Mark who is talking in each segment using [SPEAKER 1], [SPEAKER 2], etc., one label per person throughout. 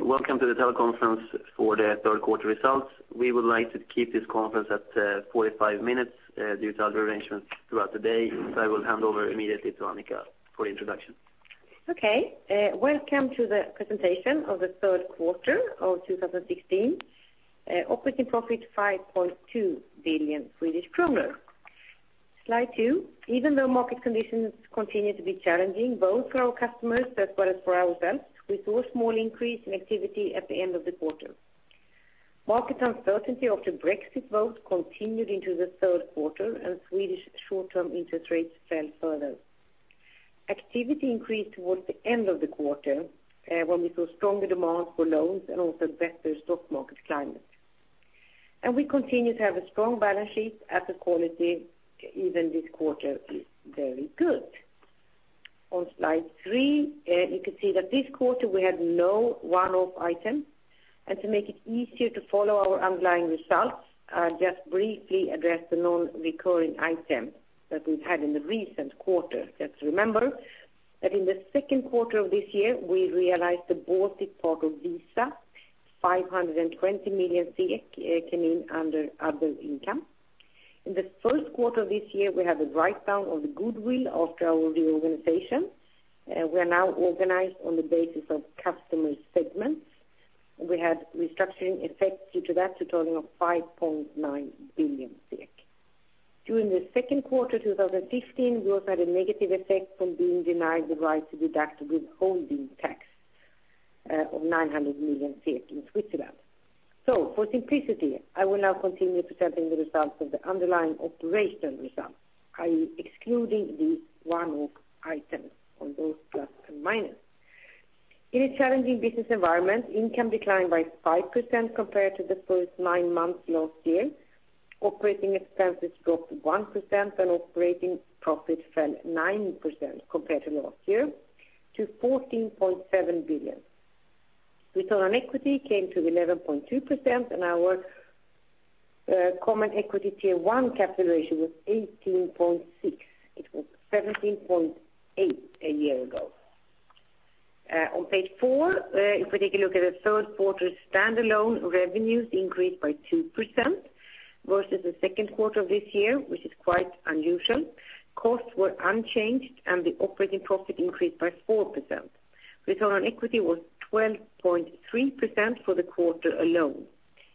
[SPEAKER 1] Welcome to the teleconference for the third quarter results. We would like to keep this conference at 45 minutes due to other arrangements throughout the day. I will hand over immediately to Annika for the introduction.
[SPEAKER 2] Okay. Welcome to the presentation of the third quarter of 2016. Operating profit 5.2 billion Swedish kronor. Slide two. Even though market conditions continue to be challenging, both for our customers as well as for ourselves, we saw a small increase in activity at the end of the quarter. Market uncertainty after Brexit continued into the third quarter and Swedish short-term interest rates fell further. Activity increased towards the end of the quarter, when we saw stronger demand for loans and also better stock market climate. We continue to have a strong balance sheet as the quality even this quarter is very good. On slide three, you can see that this quarter we had no one-off item. To make it easier to follow our underlying results, I will just briefly address the non-recurring item that we've had in the recent quarter. Let's remember that in the second quarter of this year, we realized the Baltic part of Visa, 520 million came in under other income. In the first quarter of this year, we had a write-down of the goodwill after our reorganization. We are now organized on the basis of customer segments, we had restructuring effects due to that totaling of 5.9 billion. During the second quarter 2015, we also had a negative effect from being denied the right to deduct withholding tax of 900 million in Switzerland. For simplicity, I will now continue presenting the results of the underlying operational results i.e., excluding these one-off items on those plus and minus. In a challenging business environment, income declined by 5% compared to the first nine months last year. Operating expenses dropped 1% and operating profit fell 9% compared to last year to 14.7 billion. Return on equity came to 11.2% and our common equity Tier 1 capital ratio was 18.6%. It was 17.8% a year ago. On page four, if we take a look at the third quarter standalone revenues increased by 2% versus the second quarter of this year, which is quite unusual. Costs were unchanged and the operating profit increased by 4%. Return on equity was 12.3% for the quarter alone.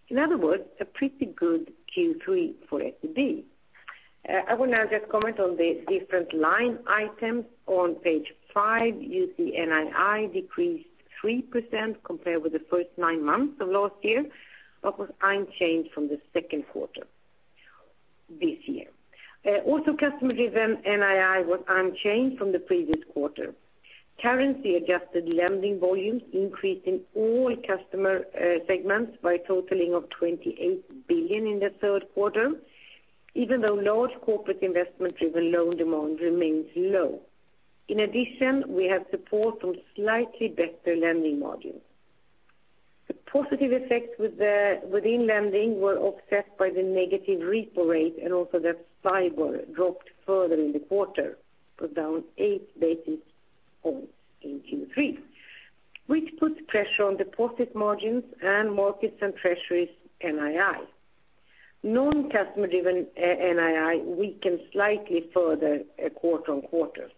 [SPEAKER 2] In other words, a pretty good Q3 for SEB. I will now just comment on the different line items. On page five, you see NII decreased 3% compared with the first nine months of last year, but was unchanged from the second quarter this year. Also, customer-driven NII was unchanged from the previous quarter. Currency-adjusted lending volumes increased in all customer segments by a totaling of 28 billion in the third quarter, even though Large Corporates investment-driven loan demand remains low. In addition, we have support from slightly better lending margins. The positive effects within lending were offset by the negative repo rate and also that STIBOR dropped further in the quarter, was down 8 basis points in Q3, which put pressure on deposit margins and markets and treasuries' NII. Non-customer-driven NII weakened slightly further quarter-on-quarter.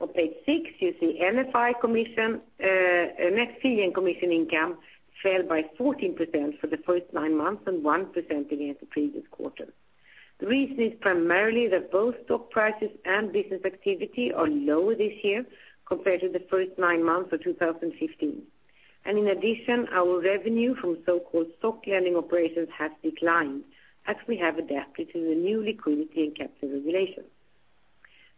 [SPEAKER 2] On page six, you see NFI commission. Net fee and commission income fell by 14% for the first nine months and 1% against the previous quarter. The reason is primarily that both stock prices and business activity are lower this year compared to the first nine months of 2015. In addition, our revenue from so-called stock lending operations has declined as we have adapted to the new liquidity and capital regulations.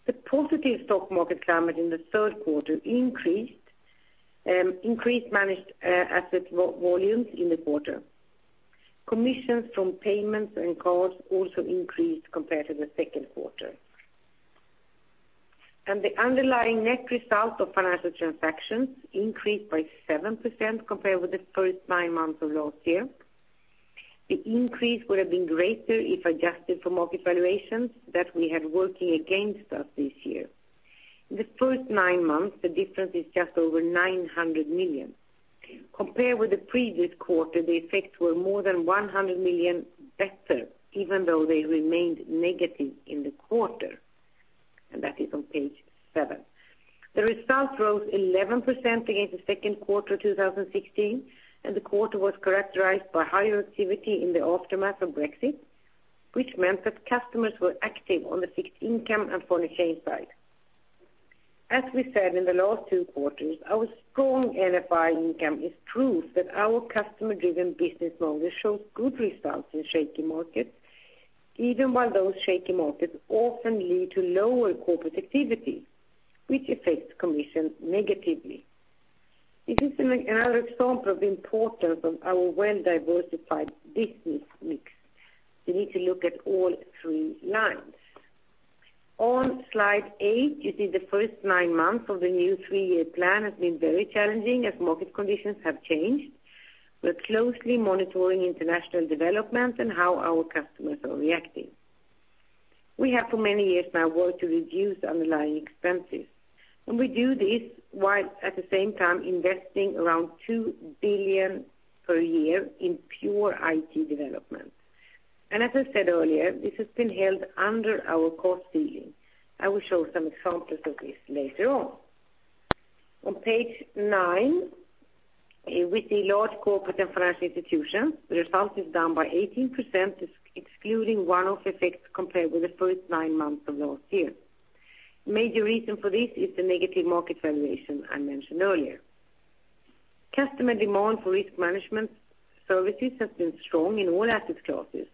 [SPEAKER 2] The positive stock market climate in the third quarter increased managed asset volumes in the quarter. Commissions from payments and cards also increased compared to the second quarter. The underlying net result of financial transactions increased by 7% compared with the first nine months of last year. The increase would have been greater if adjusted for market valuations that we had working against us this year. In the first nine months, the difference is just over 900 million. Compared with the previous quarter, the effects were more than 100 million better, even though they remained negative in the quarter, and that is on page seven. The results rose 11% against the second quarter 2016. The quarter was characterized by higher activity in the aftermath of Brexit, which meant that customers were active on the fixed income and foreign exchange side. As we said in the last two quarters, our strong NFI income is proof that our customer-driven business model shows good results in shaky markets, even while those shaky markets often lead to lower corporate activity, which affects commissions negatively. This is another example of the importance of our well-diversified business mix. You need to look at all three lines. On slide eight, you see the first nine months of the new three-year plan has been very challenging as market conditions have changed. We are closely monitoring international developments and how our customers are reacting. We have for many years now worked to reduce underlying expenses. We do this while at the same time investing around 2 billion per year in pure IT development. As I said earlier, this has been held under our cost ceiling. I will show some examples of this later on. On page nine, with the Large Corporates and Financial Institutions, the result is down by 18% excluding one-off effects compared with the first nine months of last year. Major reason for this is the negative market valuation I mentioned earlier. Customer demand for risk management services has been strong in all asset classes.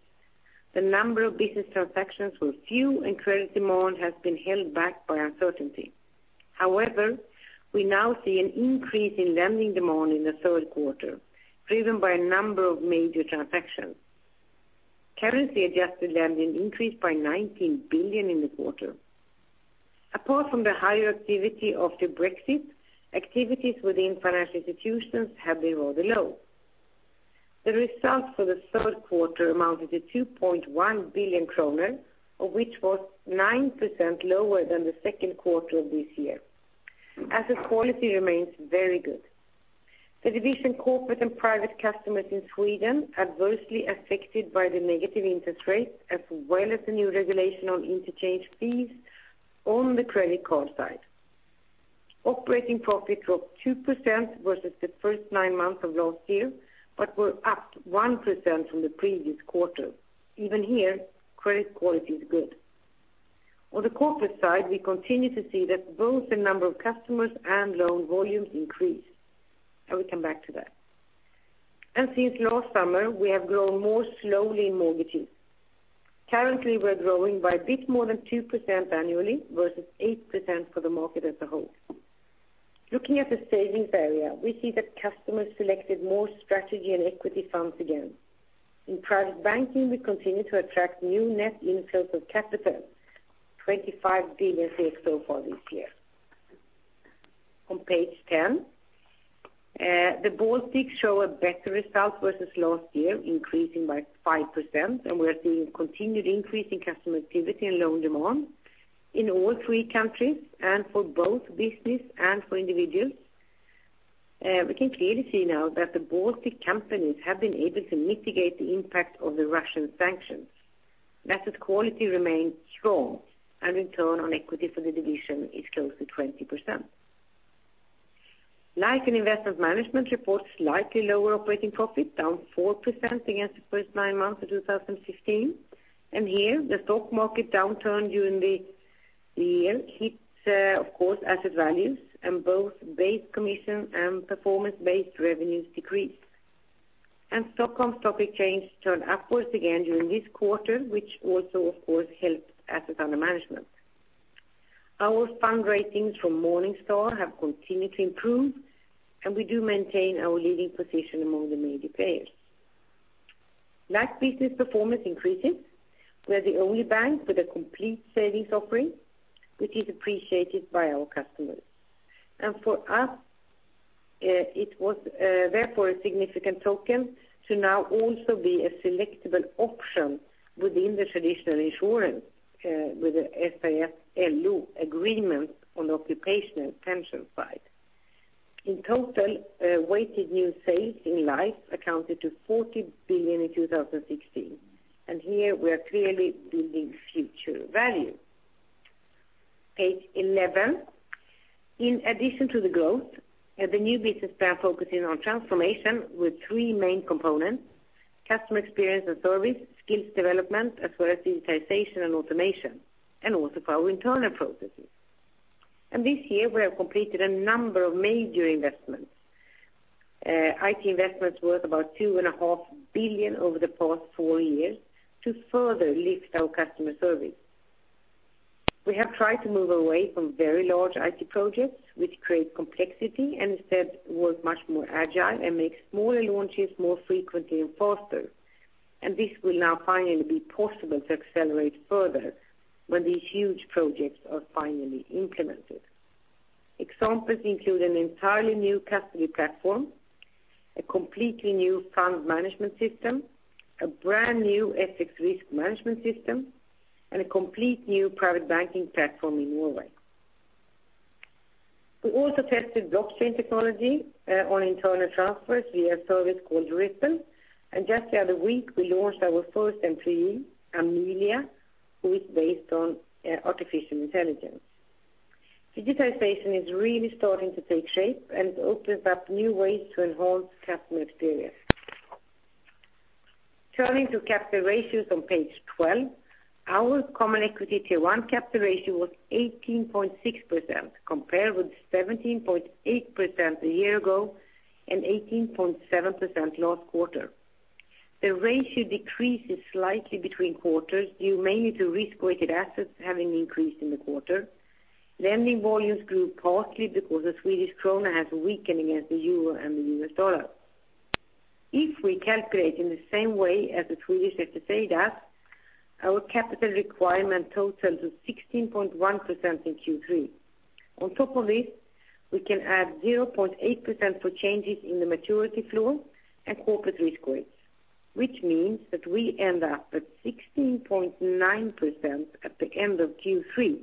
[SPEAKER 2] The number of business transactions were few. Credit demand has been held back by uncertainty. However, we now see an increase in lending demand in the third quarter, driven by a number of major transactions. Currency-adjusted lending increased by 19 billion in the quarter. Apart from the higher activity after Brexit, activities within financial institutions have been rather low. The results for the third quarter amounted to 2.1 billion kronor, of which was 9% lower than the second quarter of this year. Asset quality remains very good. The division corporate and private customers in Sweden adversely affected by the negative interest rates as well as the new regulation on interchange fees on the credit card side. Operating profit dropped 2% versus the first nine months of last year, but were up 1% from the previous quarter. Even here, credit quality is good. On the corporate side, we continue to see that both the number of customers and loan volumes increase. I will come back to that. Since last summer, we have grown more slowly in mortgages. Currently, we're growing by a bit more than 2% annually versus 8% for the market as a whole. Looking at the savings area, we see that customers selected more strategy and equity funds again. In private banking, we continue to attract new net inflows of capital, 25 billion so far this year. On page 10, the Baltics show a better result versus last year, increasing by 5%, and we are seeing continued increase in customer activity and loan demand in all three countries and for both business and for individuals. We can clearly see now that the Baltic companies have been able to mitigate the impact of the Russian sanctions. Asset quality remains strong, and return on equity for the division is close to 20%. Life and investment management report slightly lower operating profit, down 4% against the first nine months of 2015. Here, the stock market downturn during the year hits, of course, asset values and both base commission and performance-based revenues decrease. Stockholm stock exchange turned upwards again during this quarter, which also, of course, helped asset under management. Our fund ratings from Morningstar have continued to improve, and we do maintain our leading position among the major players. Life business performance increases. We are the only bank with a complete savings offering, which is appreciated by our customers. For us, it was therefore a significant token to now also be a selectable option within the traditional insurance with the SAF-LO agreement on the occupational pension side. In total, weighted new sales in Life accounted to 40 billion in 2016, and here we are clearly building future value. Page 11. In addition to the growth, the new business plan focusing on transformation with three main components, customer experience and service, skills development, as well as digitization and automation, and also for our internal processes. This year, we have completed a number of major investments. IT investments worth about 2.5 billion over the past four years to further lift our customer service. We have tried to move away from very large IT projects which create complexity and instead work much more agile and make smaller launches more frequently and faster. This will now finally be possible to accelerate further when these huge projects are finally implemented. Examples include an entirely new custody platform, a completely new fund management system, a brand-new FX risk management system, and a complete new private banking platform in Norway. We also tested blockchain technology on internal transfers via a service called Ripple. Just the other week, we launched our first MP, Amelia, who is based on artificial intelligence. Digitization is really starting to take shape and opens up new ways to enhance customer experience. Turning to capital ratios on page 12, our common equity Tier 1 capital ratio was 18.6% compared with 17.8% a year ago and 18.7% last quarter. The ratio decreases slightly between quarters due mainly to risk-weighted assets having increased in the quarter. Lending volumes grew partly because the Swedish krona has weakened against the euro and the US dollar. If we calculate in the same way as the Swedish FSA does, our capital requirement totals of 16.1% in Q3. On top of this, we can add 0.8% for changes in the maturity flow and corporate risk weights, which means that we end up at 16.9% at the end of Q3,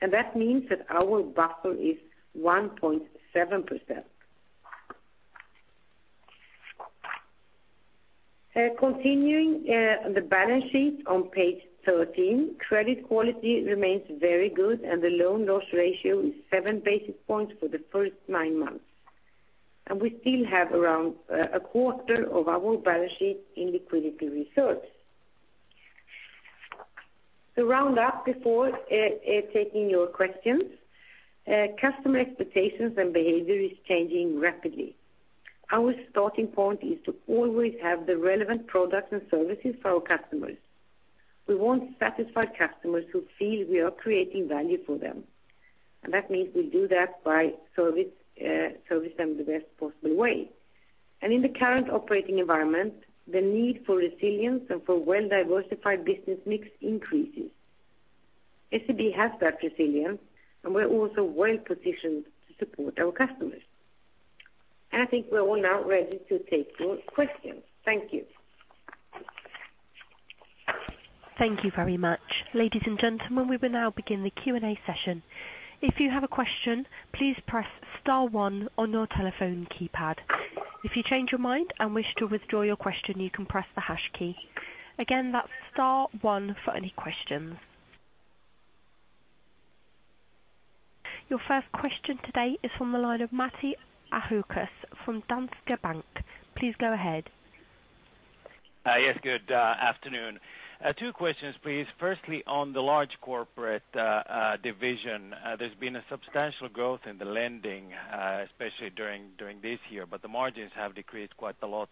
[SPEAKER 2] and that means that our buffer is 1.7%. Continuing the balance sheet on page 13, credit quality remains very good and the loan loss ratio is seven basis points for the first nine months. We still have around a quarter of our balance sheet in liquidity reserves. To round up before taking your questions, customer expectations and behavior is changing rapidly. Our starting point is to always have the relevant products and services for our customers. We want satisfied customers who feel we are creating value for them, and that means we do that by service them the best possible way. In the current operating environment, the need for resilience and for well-diversified business mix increases. SEB has that resilience, and we're also well-positioned to support our customers. I think we're all now ready to take your questions. Thank you.
[SPEAKER 3] Thank you very much. Ladies and gentlemen, we will now begin the Q&A session. If you have a question, please press star one on your telephone keypad. If you change your mind and wish to withdraw your question, you can press the hash key. Again, that's star one for any questions. Your first question today is from the line of Matti Ahokas from Danske Bank. Please go ahead.
[SPEAKER 4] Yes, good afternoon. Two questions, please. Firstly, on the large corporate division, there's been a substantial growth in the lending, especially during this year, but the margins have decreased quite a lot.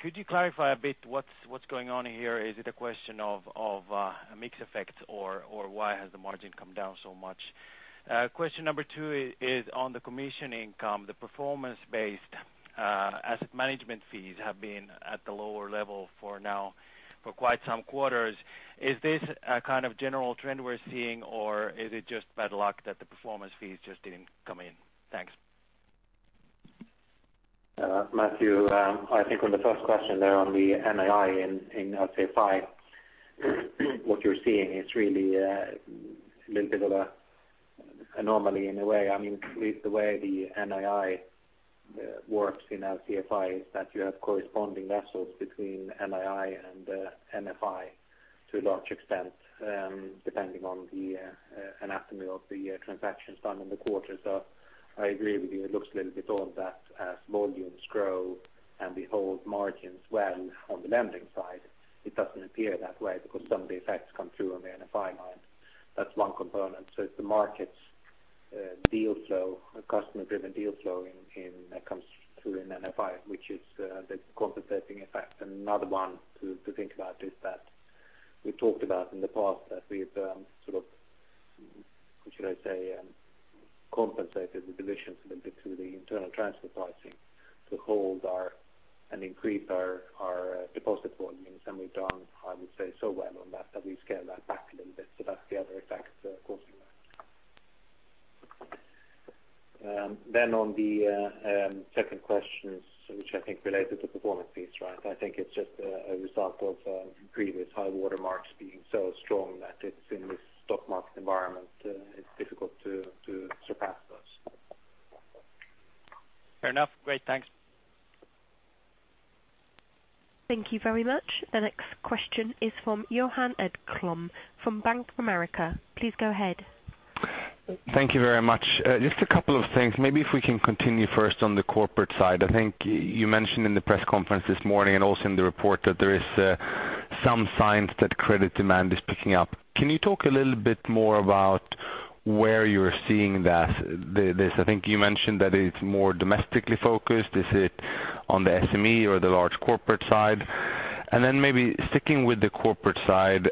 [SPEAKER 4] Could you clarify a bit what's going on here? Is it a question of a mix effect or why has the margin come down so much? Question number 2 is on the commission income. The performance-based asset management fees have been at the lower level for now for quite some quarters. Is this a kind of general trend we're seeing or is it just bad luck that the performance fees just didn't come in? Thanks.
[SPEAKER 5] Matti, I think on the first question there on the NII in LCFI, what you're seeing is really a little bit of a anomaly in a way. With the way the NII works in LCFI is that you have corresponding vessels between NII and NFI to a large extent, depending on the anatomy of the transactions done in the quarter. I agree with you, it looks a little bit odd that as volumes grow and we hold margins well on the lending side, it doesn't appear that way because some of the effects come through on the NFI line. That's one component. It's the markets deal flow, a customer-driven deal flow comes through in NFI, which is the compensating effect. Another one to think about is that we talked about in the past that we've sort of, what should I say, compensated the divisions a little bit through the internal transfer pricing to hold our and increase our deposit volumes. We've done, I would say, so well on that we scale that back a little bit. That's the other effect causing that. On the second question, which I think related to performance fees, right. I think it's just a result of previous high water marks being so strong that it's in this stock market environment it's difficult to surpass those.
[SPEAKER 4] Fair enough. Great. Thanks.
[SPEAKER 3] Thank you very much. The next question is from Johan Ekblom from Bank of America. Please go ahead.
[SPEAKER 6] Thank you very much. Just a couple of things. If we can continue first on the corporate side. You mentioned in the press conference this morning and also in the report that there are some signs that credit demand is picking up. Can you talk a little bit more about where you're seeing this? You mentioned that it's more domestically focused. Is it on the SME or the large corporate side? Sticking with the corporate side,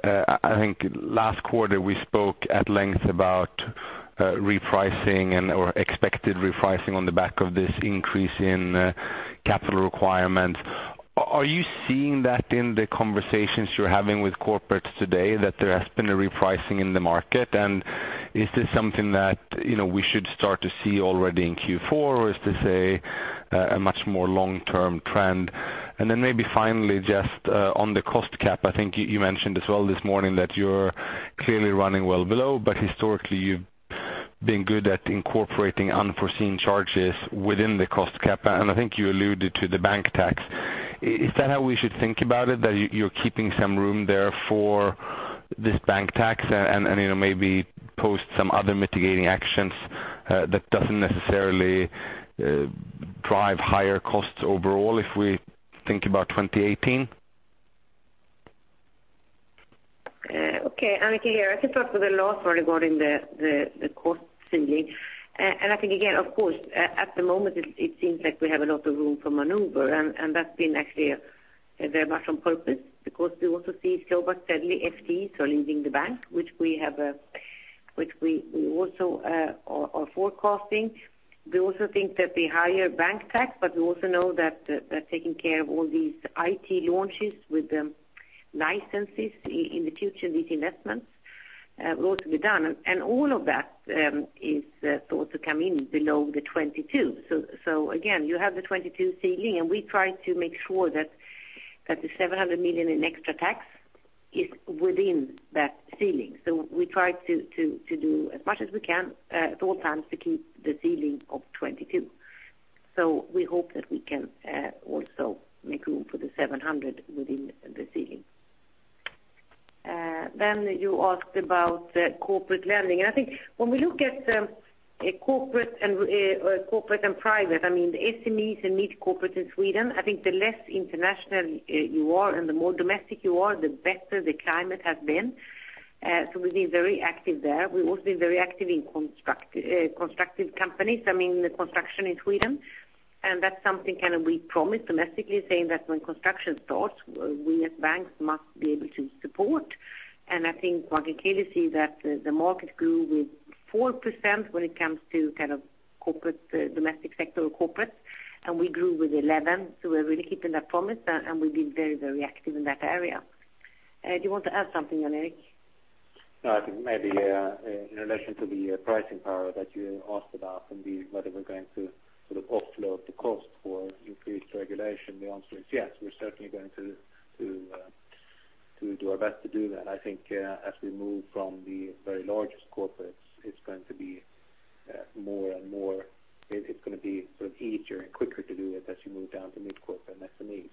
[SPEAKER 6] last quarter we spoke at length about repricing and/or expected repricing on the back of this increase in capital requirements. Are you seeing that in the conversations you're having with corporates today, that there has been a repricing in the market? Is this something that we should start to see already in Q4, or is this a much more long-term trend? Finally, just on the cost cap, you mentioned as well this morning that you're clearly running well below, but historically you've been good at incorporating unforeseen charges within the cost cap. You alluded to the bank tax. Is that how we should think about it, that you're keeping some room there for this bank tax and maybe post some other mitigating actions that don't necessarily drive higher costs overall if we think about 2018?
[SPEAKER 2] Annika here. I can start with the last one regarding the cost ceiling. At the moment it seems like we have a lot of room for maneuver, and that's been actually very much on purpose because we also see slow but steadily FTEs are leaving the bank, which we have. We also are forecasting. We also think that the higher bank tax. We also know that taking care of all these IT launches with the licenses in the future, these investments will also be done. All of that is thought to come in below the 22. You have the 22 ceiling, and we try to make sure that the 700 million in extra tax is within that ceiling. We try to do as much as we can at all times to keep the ceiling of 22. We hope that we can also make room for the 700 within the ceiling. You asked about corporate lending. When we look at corporate and private, the SMEs and mid-corporate in Sweden, the less international you are and the more domestic you are, the better the climate has been. We've been very active there. We've also been very active in construction companies, the construction in Sweden, and that's something we promised domestically, saying that when construction starts, we as banks must be able to support. One can clearly see that the market grew with 4% when it comes to corporate domestic sector or corporate, and we grew with 11%. We're really keeping that promise, and we've been very active in that area. Do you want to add something, Jan Erik?
[SPEAKER 5] No, I think maybe in relation to the pricing power that you asked about from the, whether we're going to offload the cost for increased regulation, the answer is yes. We're certainly going to do our best to do that. I think as we move from the very largest corporates, it's going to be easier and quicker to do it as you move down to mid corporate and SMEs.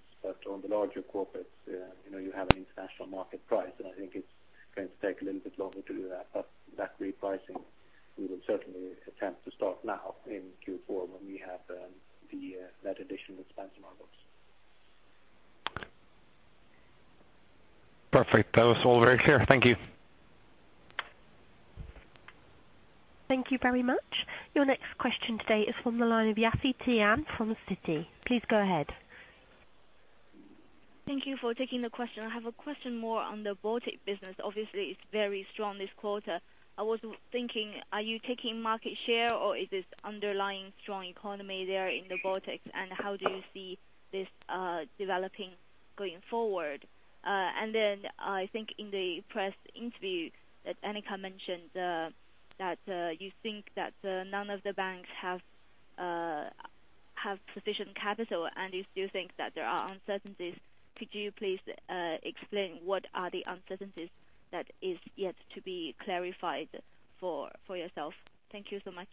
[SPEAKER 5] On the larger corporates, you have an international market price, and I think it's going to take a little bit longer to do that. That repricing, we will certainly attempt to start now in Q4 when we have the net addition expense on our books.
[SPEAKER 6] Perfect. That was all very clear. Thank you.
[SPEAKER 3] Thank you very much. Your next question today is from the line of Yafei Tian from Citi. Please go ahead.
[SPEAKER 7] Thank you for taking the question. I have a question more on the Baltic business. Obviously, it's very strong this quarter. I was thinking, are you taking market share or is this underlying strong economy there in the Baltics, and how do you see this developing going forward? I think in the press interview that Annika mentioned, that you think that none of the banks have sufficient capital, and you still think that there are uncertainties. Could you please explain what are the uncertainties that is yet to be clarified for yourself? Thank you so much.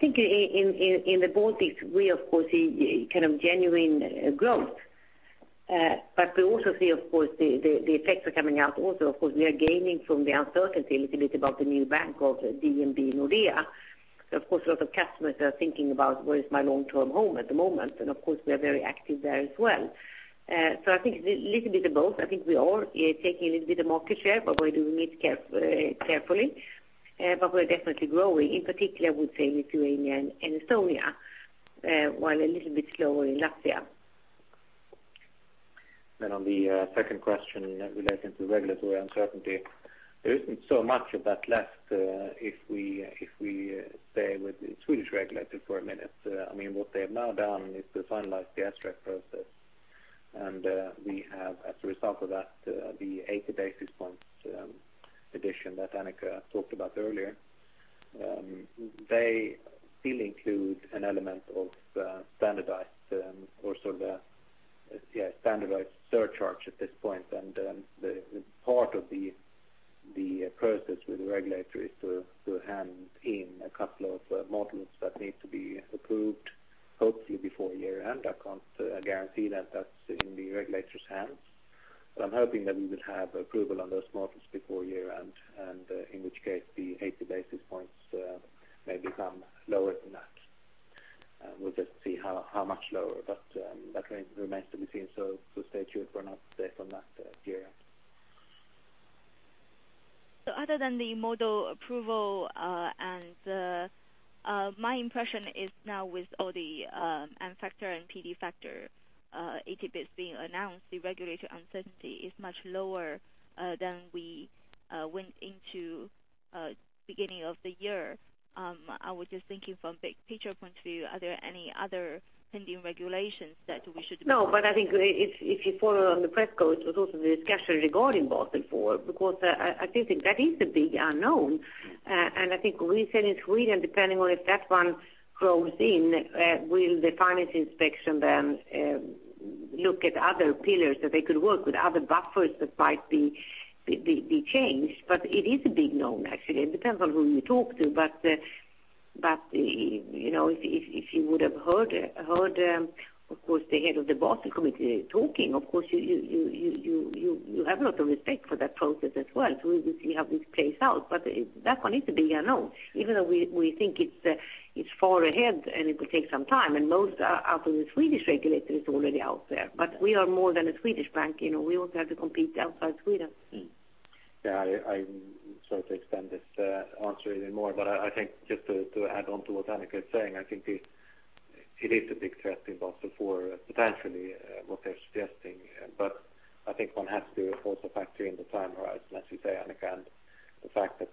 [SPEAKER 2] In the Baltics, we of course see genuine growth. We also see, of course, the effects are coming out also. Of course, we are gaining from the uncertainty a little bit about the new bank of DNB Nordea. Of course, a lot of customers are thinking about where is my long-term home at the moment, and of course, we are very active there as well. I think a little bit of both. I think we are taking a little bit of market share, but we're doing it carefully. We're definitely growing, in particular, I would say Lithuania and Estonia, while a little bit slower in Latvia.
[SPEAKER 5] On the second question relating to regulatory uncertainty, there isn't so much of that left if we stay with the Swedish regulator for a minute. What they have now done is to finalize the SREP process. We have, as a result of that, the 80 basis points addition that Annika talked about earlier. They still include an element of standardized surcharge at this point, and the part of the process with the regulator is to hand in a couple of models that need to be approved, hopefully before year-end. I can't guarantee that. That's in the regulator's hands. I'm hoping that we will have approval on those models before year-end, and in which case the 80 basis points may become lower than that. We'll just see how much lower. That remains to be seen. Stay tuned for an update on that at year-end.
[SPEAKER 7] Other than the model approval, my impression is now with all the N factor and PD factor, 80 basis points being announced, the regulatory uncertainty is much lower than we went into beginning of the year. I was just thinking from a big picture point of view, are there any other pending regulations that we should-
[SPEAKER 2] No, I think if you follow on the press calls, there's also the discussion regarding Basel IV, because I do think that is a big unknown. I think we said in Sweden, depending on if that one grows in, will the Finansinspektionen then look at other pillars that they could work with, other buffers that might be changed. It is a big known actually. It depends on who you talk to, but if you would have heard, of course, the head of the Basel Committee talking, of course you have a lot of respect for that process as well. We will see how this plays out. That one is a big unknown, even though we think it's far ahead and it will take some time, and most out of the Swedish regulator is already out there. We are more than a Swedish bank. We also have to compete outside Sweden.
[SPEAKER 5] Yeah. I'm sorry to extend this answer even more, I think just to add on to what Annika is saying, I think it is a big testing buffer for potentially what they're suggesting. I think one has to also factor in the time horizon, as you say, Annika, and the fact that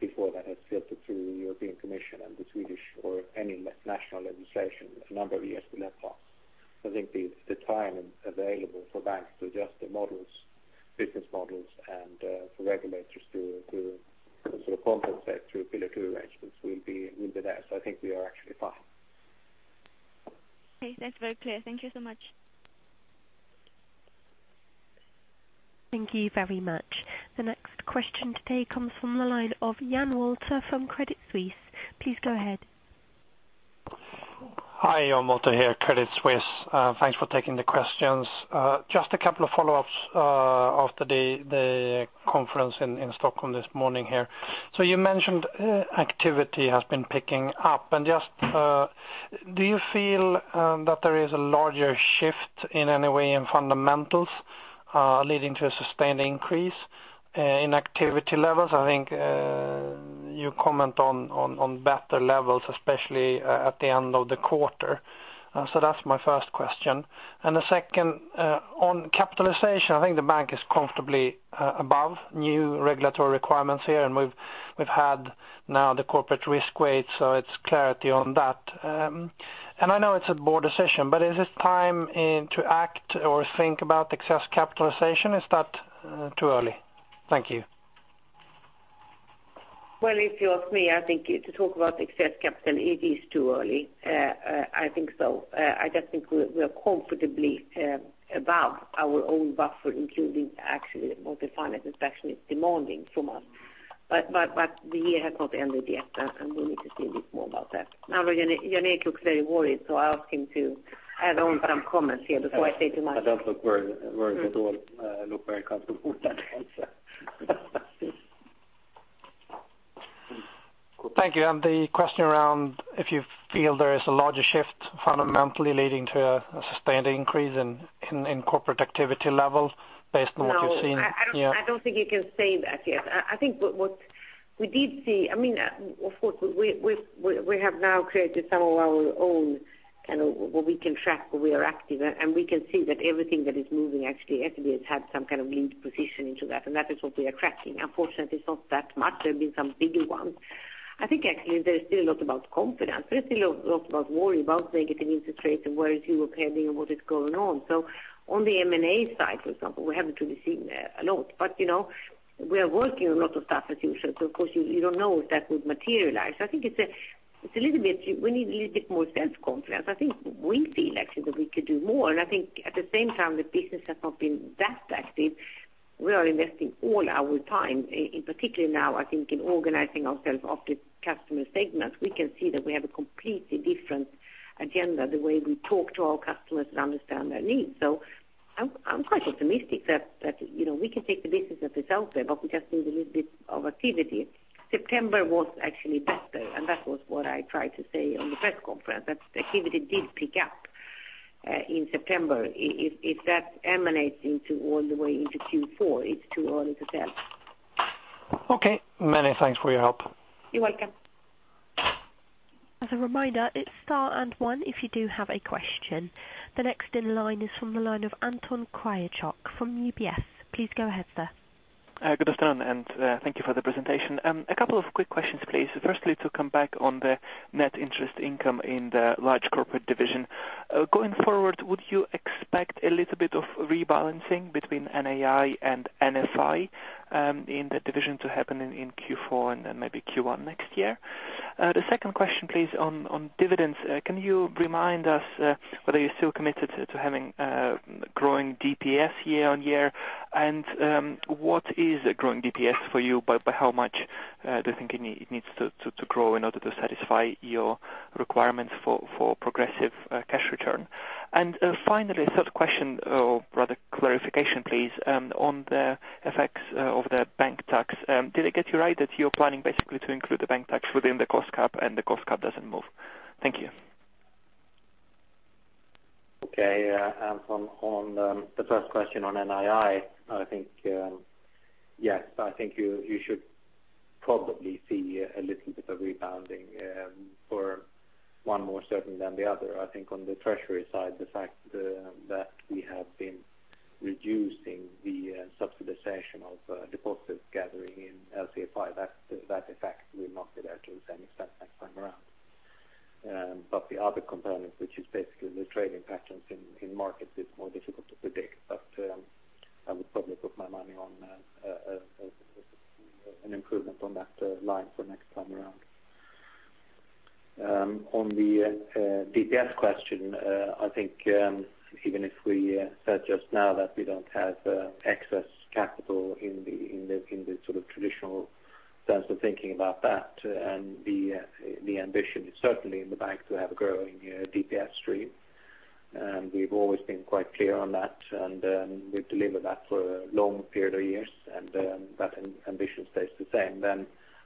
[SPEAKER 5] before that has filtered through the European Commission and the Swedish or any national legislation, a number of years will have passed. I think the time available for banks to adjust their business models and for regulators to compensate through Pillar 2 arrangements will be there. I think we are actually fine.
[SPEAKER 7] Okay. That's very clear. Thank you so much.
[SPEAKER 3] Thank you very much. The next question today comes from the line of Jan Wolter from Credit Suisse. Please go ahead.
[SPEAKER 8] Hi, Jan Wolter here, Credit Suisse. Thanks for taking the questions. Just a couple of follow-ups after the conference in Stockholm this morning here. You mentioned activity has been picking up. Just do you feel that there is a larger shift in any way in fundamentals leading to a sustained increase in activity levels? I think you comment on better levels, especially at the end of the quarter. That's my first question. The second, on capitalization, I think the bank is comfortably above new regulatory requirements here, and we've had now the corporate risk weight, so it's clarity on that. I know it's a board decision, but is this time to act or think about excess capitalization? Is that too early? Thank you.
[SPEAKER 2] Well, if you ask me, I think to talk about excess capital, it is too early. I think so. I just think we are comfortably above our own buffer, including actually what the Finansinspektionen is demanding from us. The year has not ended yet, and we need to see a bit more about that. Now, Jan Erik looks very worried, so I'll ask him to add on some comments here before I say too much.
[SPEAKER 5] I don't look worried at all. I look very comfortable with that answer.
[SPEAKER 8] Thank you. The question around if you feel there is a larger shift fundamentally leading to a sustained increase in corporate activity levels based on what you've seen here.
[SPEAKER 2] No, I don't think you can say that yet. I think what we did see, of course, we have now created some of our own where we can track where we are active, and we can see that everything that is moving, actually SEB has had some kind of lead position into that, and that is what we are tracking. Unfortunately, it's not that much. There have been some bigger ones. I think actually there is still a lot about confidence, but it's still a lot about worry, about negative interest rates and where is Europe heading and what is going on. On the M&A side, for example, we haven't really seen a lot. We are working on a lot of stuff, as usual. Of course you don't know if that would materialize. I think we need a little bit more self-confidence. I think we feel actually that we could do more, and I think at the same time, the business has not been that active. We are investing all our time, in particular now, I think in organizing ourselves up to customer segments. We can see that we have a completely different agenda, the way we talk to our customers and understand their needs. I'm quite optimistic that we can take the business that is out there, but we just need a little bit of activity. September was actually better, and that was what I tried to say on the press conference, that the activity did pick up in September. If that emanates all the way into Q4, it's too early to tell.
[SPEAKER 8] Okay. Many thanks for your help.
[SPEAKER 2] You're welcome.
[SPEAKER 3] As a reminder, it's star and one if you do have a question. The next in line is from the line of Anton Kryachok from UBS. Please go ahead, sir.
[SPEAKER 9] Good afternoon. Thank you for the presentation. A couple of quick questions, please. Firstly, to come back on the net interest income in the large corporate division. Going forward, would you expect a little bit of rebalancing between NII and NFI in the division to happen in Q4 and then maybe Q1 next year? The second question, please, on dividends. Can you remind us whether you're still committed to having growing DPS year-on-year? What is a growing DPS for you? By how much do you think it needs to grow in order to satisfy your requirements for progressive cash return? Finally, third question, or rather clarification, please, on the effects of the bank tax. Did I get you right that you're planning basically to include the bank tax within the cost cap and the cost cap doesn't move? Thank you.
[SPEAKER 5] Anton, on the first question on NII, I think, yes. I think you should probably see a little bit of rebounding for one more certain than the other. I think on the treasury side, the fact that we have been reducing the subsidization of deposit gathering in LCFI, that effect will not be there to the same extent next time around. The other component, which is basically the trading patterns in markets, is more difficult to predict. I would probably put my money on an improvement on that line for next time around. On the DPS question, I think even if we said just now that we don't have excess capital in the traditional sense of thinking about that, the ambition is certainly in the bank to have a growing DPS stream. We've always been quite clear on that. We've delivered that for a long period of years, and that ambition stays the same.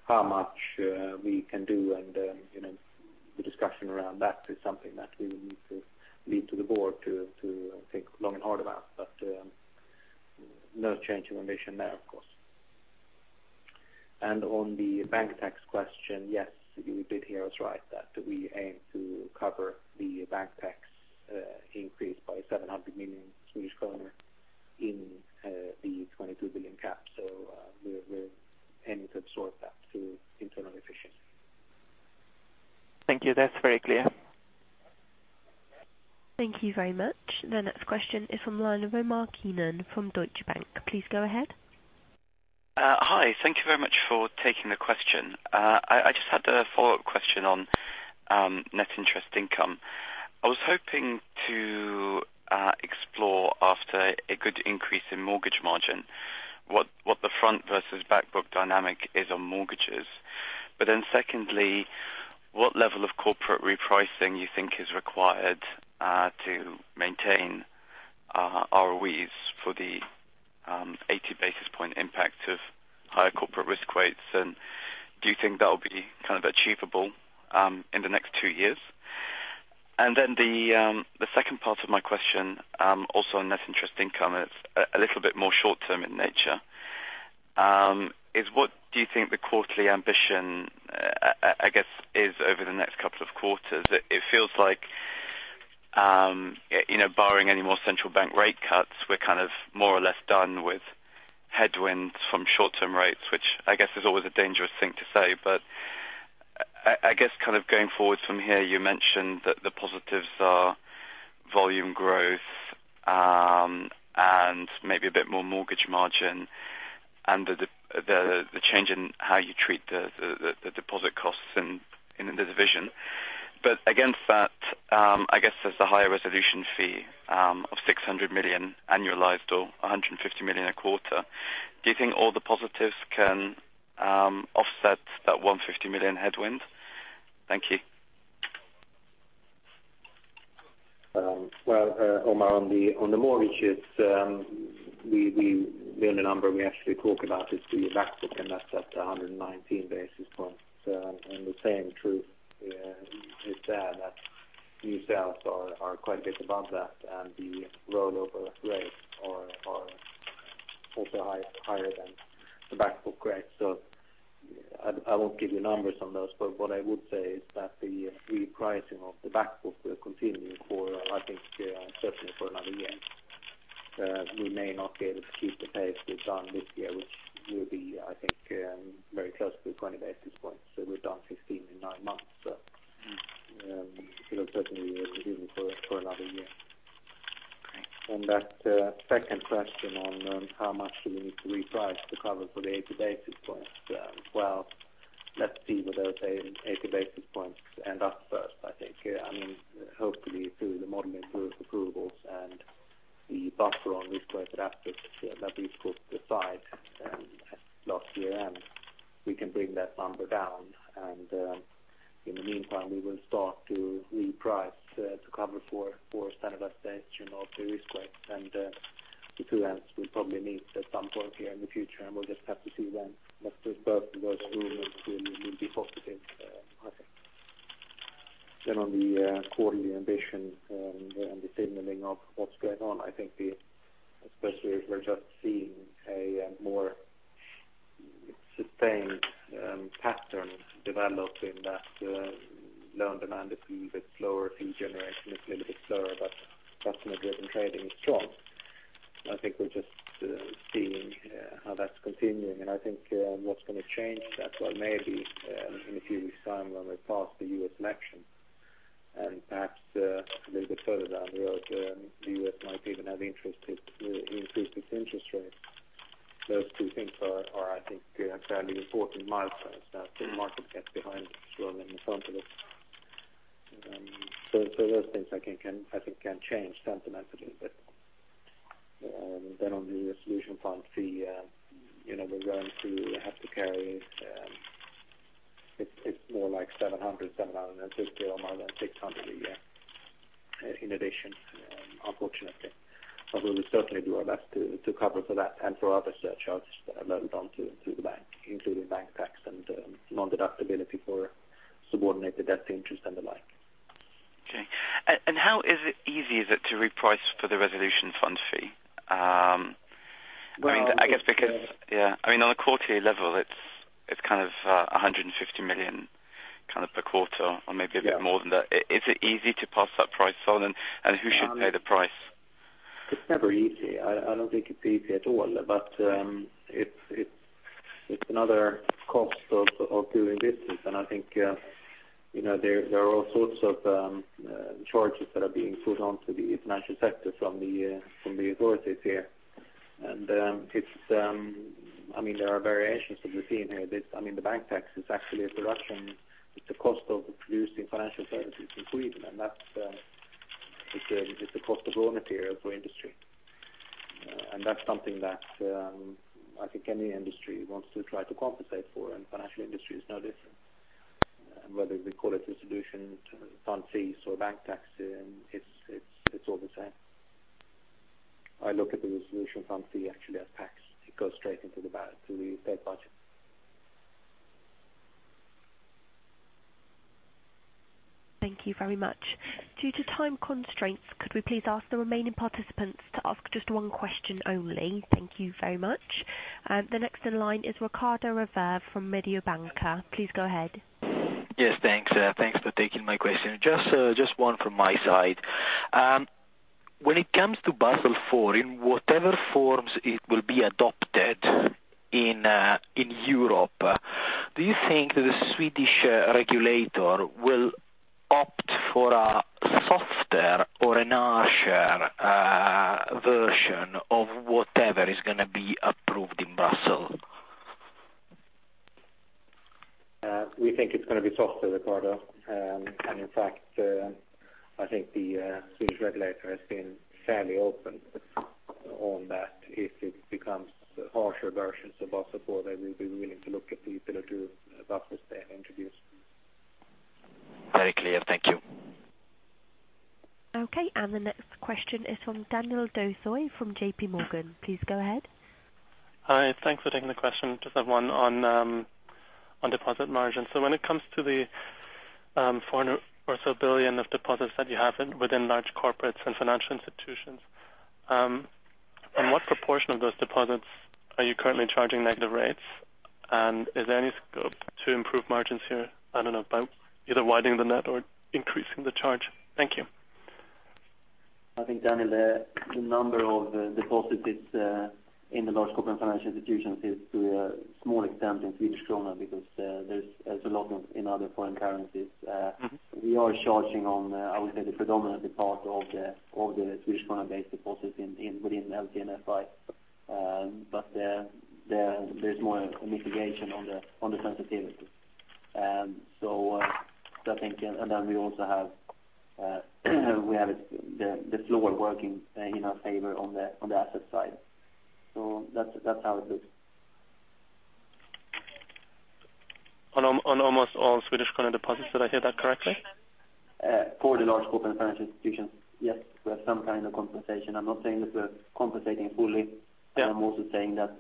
[SPEAKER 5] How much we can do and the discussion around that is something that we will need to leave to the board to think long and hard about. No change in ambition there, of course. On the bank tax question, yes, you did hear us right, that we aim to cover the bank tax increase by 700 million Swedish kronor in the 22 billion cap. We're aiming to absorb that through internal efficiency.
[SPEAKER 9] Thank you. That's very clear.
[SPEAKER 3] Thank you very much. The next question is from the line of Omar Keenan from Deutsche Bank. Please go ahead.
[SPEAKER 10] Hi. Thank you very much for taking the question. I just had a follow-up question on net interest income. I was hoping to explore after a good increase in mortgage margin, what the front versus back book dynamic is on mortgages. Secondly, what level of corporate repricing you think is required to maintain ROEs for the 80 basis point impact of higher corporate risk weights? Do you think that will be achievable in the next two years? The second part of my question, also on net interest income, it's a little bit more short-term in nature, is what do you think the quarterly ambition, I guess, is over the next couple of quarters? It feels like, borrowing any more central bank rate cuts, we're more or less done with headwinds from short-term rates, which I guess is always a dangerous thing to say. I guess going forward from here, you mentioned that the positives are volume growth, and maybe a bit more mortgage margin, and the change in how you treat the deposit costs in the division. Against that, I guess there's the higher resolution fee of 600 million annualized or 150 million a quarter. Do you think all the positives can offset that 150 million headwind? Thank you.
[SPEAKER 5] Well, Omar, on the mortgages, the only number we actually talk about is the back book, and that's at 119 basis points. The same truth is there that new sales are quite a bit above that, and the rollover rates are also higher than the back book rates. I won't give you numbers on those, but what I would say is that the repricing of the back book will continue for, I think, certainly for another year. We may not be able to keep the pace we've done this year, which will be, I think, very close to 20 basis points. We've done 16 in nine months. It will certainly be continuing for another year. On that second question on how much do we need to reprice to cover for the 80 basis points? Well, let's see where those 80 basis points end up first, I think. Hopefully through the model influence approvals and the buffer on risk-weighted assets that we could decide at last year-end, we can bring that number down. In the meantime, we will start to reprice to cover for standardization of the risk rates. The two ends will probably meet at some point here in the future, and we'll just have to see when. We hope those two will be positive, I think. On the quarterly ambition and the signaling of what's going on, I think especially if we're just seeing a more sustained pattern develop in that loan demand is a little bit slower, fee generation is a little bit slower, but customer-driven trading is strong. I think we're just seeing how that's continuing, and I think what's going to change that may be in a few weeks time when we're past the U.S. election. Perhaps a little bit further down the road, the U.S. might even increase its interest rates. Those two things are, I think, fairly important milestones that the market gets behind rather than in front of it. Those things, I think, can change sentiment a little bit. On the resolution fund fee, we're going to have to carry It's more like 700, 750 or more than 600 a year in addition, unfortunately. We will certainly do our best to cover for that and for other surcharges loaded onto the bank, including bank tax and non-deductibility for subordinated debt interest and the like.
[SPEAKER 10] Okay. How easy is it to reprice for the resolution fund fee?
[SPEAKER 5] Well-
[SPEAKER 10] I guess because. Yeah. On a quarterly level, it's 150 million per quarter or maybe a bit more than that. Is it easy to pass that price on? Who should pay the price?
[SPEAKER 5] It's never easy. I don't think it's easy at all. It's another cost of doing business. I think there are all sorts of charges that are being put onto the financial sector from the authorities here. There are variations that we're seeing here. The bank tax is actually a production. It's a cost of producing financial services in Sweden, that is the cost of owning here for industry. That's something that I think any industry wants to try to compensate for, financial industry is no different. Whether we call it resolution fund fees or bank tax, it's all the same. I look at the resolution fund fee actually as tax. It goes straight into the state budget.
[SPEAKER 3] Thank you very much. Due to time constraints, could we please ask the remaining participants to ask just one question only? Thank you very much. The next in line is Riccardo Rovere from Mediobanca. Please go ahead.
[SPEAKER 11] Yes, thanks. Thanks for taking my question. Just one from my side. When it comes to Basel IV, in whatever forms it will be adopted in Europe, do you think the Swedish regulator will opt for a softer or a harsher version of whatever is going to be approved in Basel?
[SPEAKER 5] We think it's going to be softer, Riccardo. In fact, I think the Swedish regulator has been fairly open on that. If it becomes harsher versions of Basel IV, they will be willing to look at the ability of Basel III introduced.
[SPEAKER 11] Very clear. Thank you.
[SPEAKER 3] Okay. The next question is from Daniel Dosoi from JP Morgan. Please go ahead.
[SPEAKER 12] Hi. Thanks for taking the question. Just have one on deposit margin. When it comes to the 400 billion or so of deposits that you have within Large Corporates and Financial Institutions, on what proportion of those deposits are you currently charging negative rates? Is there any scope to improve margins here? I don't know, by either widening the net or increasing the charge. Thank you.
[SPEAKER 5] I think, Daniel, the number of deposits in the large corporate and financial institutions is to a small extent in Swedish krona because there's a lot of in other foreign currencies. We are charging on, I would say, the predominantly part of the Swedish krona-based deposits within LC and FI. There's more mitigation on the sensitivity. We also have the floor working in our favor on the asset side. That's how it looks.
[SPEAKER 12] On almost all Swedish krona deposits. Did I hear that correctly?
[SPEAKER 5] For the large corporate and financial institutions, yes, we have some kind of compensation. I'm not saying that we're compensating fully. Yeah. I'm also saying that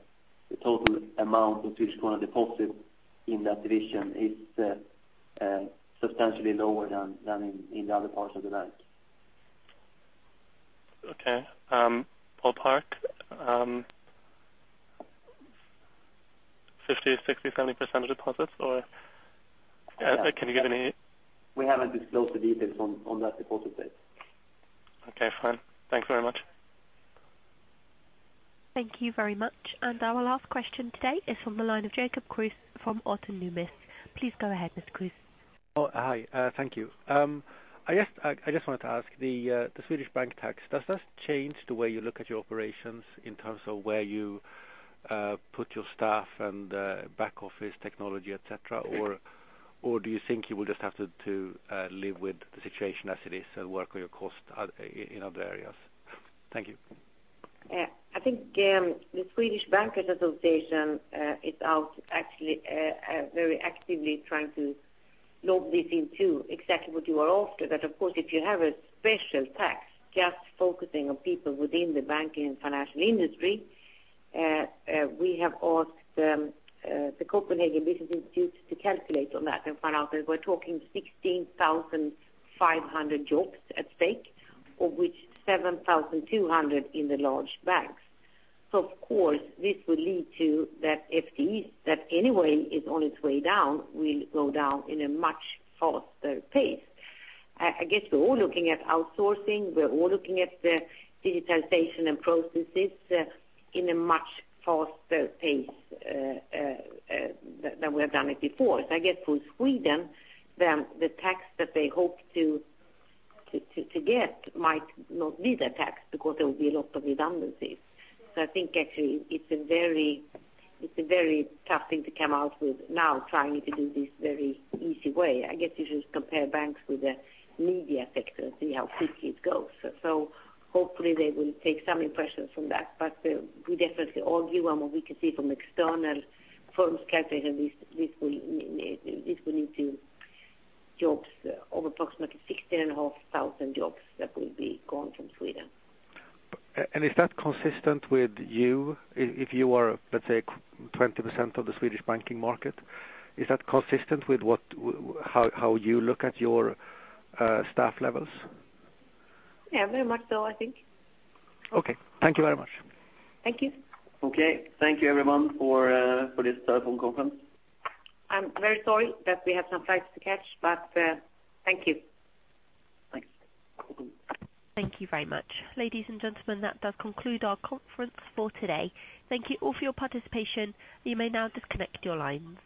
[SPEAKER 5] the total amount of Swedish krona deposit in that division is substantially lower than in the other parts of the bank.
[SPEAKER 12] Okay. Ballpark, 50%, 60%, 70% of deposits? Can you give any?
[SPEAKER 5] We haven't disclosed the details on that deposit base.
[SPEAKER 12] Okay, fine. Thanks very much.
[SPEAKER 3] Thank you very much. Our last question today is from the line of Jacob Kruse from Autonomous Research. Please go ahead, Mr. Kruse.
[SPEAKER 13] Hi. Thank you. I just wanted to ask, the Swedish bank tax, does that change the way you look at your operations in terms of where you put your staff and back office technology, et cetera? Do you think you will just have to live with the situation as it is and work with your cost in other areas? Thank you.
[SPEAKER 2] I think the Swedish Bankers' Association is out very actively trying to lob this into exactly what you are after. That, of course, if you have a special tax just focusing on people within the banking and financial industry, we have asked the Copenhagen Economics to calculate on that and found out that we're talking 16,500 jobs at stake, of which 7,200 in the large banks. Of course, this will lead to that FTEs that anyway is on its way down, will go down in a much faster pace. I guess we're all looking at outsourcing. We're all looking at the digitization and processes in a much faster pace than we have done it before. I guess for Sweden, then the tax that they hope to get might not be the tax because there will be a lot of redundancies. I think actually it's a very tough thing to come out with now trying to do this very easy way. I guess you should compare banks with the media sector and see how quickly it goes. Hopefully they will take some impressions from that. We definitely argue on what we can see from external firms calculating this will lead to jobs over approximately 16,500 jobs that will be gone from Sweden.
[SPEAKER 13] Is that consistent with you? If you are, let's say, 20% of the Swedish banking market, is that consistent with how you look at your staff levels?
[SPEAKER 2] Yeah, very much so, I think.
[SPEAKER 13] Okay. Thank you very much.
[SPEAKER 2] Thank you.
[SPEAKER 1] Okay. Thank you everyone for this telephone conference.
[SPEAKER 2] I'm very sorry that we have some flights to catch, but thank you.
[SPEAKER 1] Thanks.
[SPEAKER 3] Thank you very much. Ladies and gentlemen, that does conclude our conference for today. Thank you all for your participation. You may now disconnect your lines.